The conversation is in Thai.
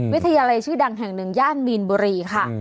วิทยาลัยชื่อดังแห่งหนึ่งย่านมีนบุรีค่ะ